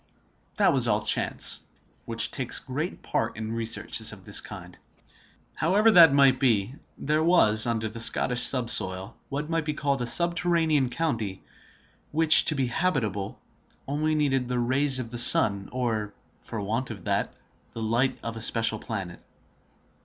That was all chance, which takes great part in researches of this kind. However that might be, there was, under the Scottish subsoil, what might be called a subterranean county, which, to be habitable, needed only the rays of the sun, or, for want of that, the light of a special planet.